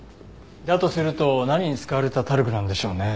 だとすると何に使われたタルクなんでしょうね。